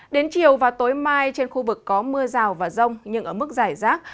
đến chiều và tối mai trên khu vực có mưa rào và rông nhưng ở mức giải rác